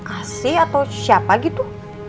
asi atau siapa gitu